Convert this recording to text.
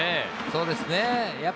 そうですね。